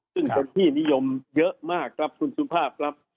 ซึ่งคนที่นิยมเยอะมากครับคุณสุภาพครับ